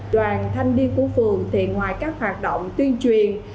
đoàn thanh niên của phường thì ngoài các hoạt động tuyên truyền